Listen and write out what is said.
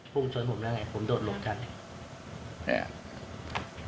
พูดชนผมแล้วไงผมโดดหลบทัน